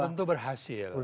belum tentu berhasil